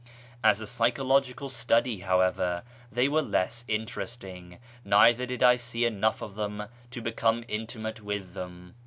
As a psychological study, how ever, they were less interesting, neither did I see enough of them to become intimate with them.